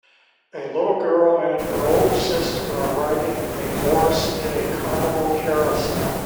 A little girl and her older sister are riding a horse in a carnival carousel